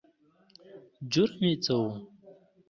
جرم یې څه و؟